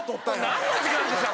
なんの時間ですか？